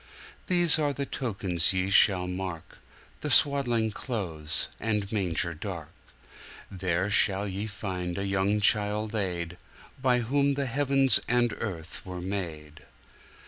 These are the tokens ye shall mark, The swaddling clothes and manger dark; There shall ye find the young child laid, By whom the heavens and earth were made.